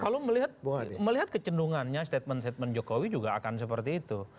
kalau melihat kecendungannya statement statement jokowi juga akan seperti itu